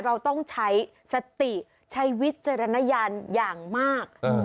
เราต้องใช้สติใช้วิจารณญาณอย่างมาก